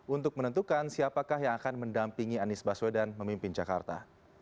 untuk menentukan siapakah yang akan mendampingi anies baswedan memimpin jakarta